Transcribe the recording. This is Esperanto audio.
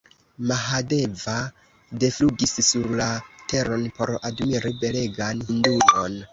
Mahadeva deflugis sur la teron, por admiri belegan Hindujon.